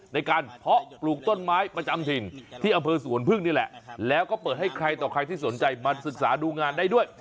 เพาะปลูกต้นไม้ประจำถิ่นที่อำเภอสวนพึ่งนี่แหละแล้วก็เปิดให้ใครต่อใครที่สนใจมาศึกษาดูงานได้ด้วย